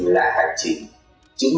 lại hành trình